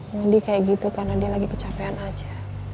mandi kayak gitu karena dia lagi kecapean aja